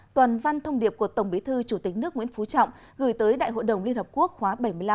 toàn văn thông điệp của tổng bí thư chủ tịch nước nguyễn phú trọng gửi tới đại hội đồng liên hợp quốc khóa bảy mươi năm